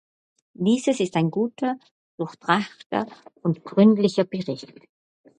Dieses ist ein guter, durchdachter und gründlicher Bericht.